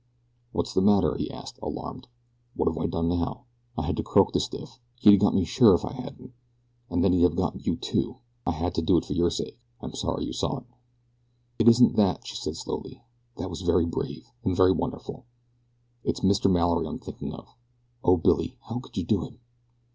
"What's the matter?" he asked, alarmed. "What have I done now? I had to croak the stiff he'd have got me sure if I hadn't, and then he'd have got you, too. I had to do it for your sake I'm sorry you saw it." "It isn't that," she said slowly. "That was very brave, and very wonderful. It's Mr. Mallory I'm thinking of. O Billy! How could you do it?"